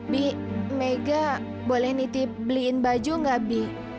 bi mega boleh nitip beliin baju nggak bi